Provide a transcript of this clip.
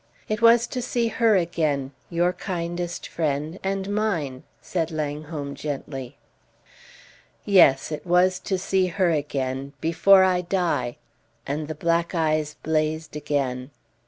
"It was to see her again your kindest friend and mine," said Langholm, gently. "Yes! It was to see her again before I die!" And the black eyes blazed again.